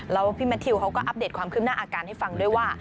แล้วพี่แมททิวเขาก็อัปเดตความคืบหน้าอาการให้ฟังด้วยว่า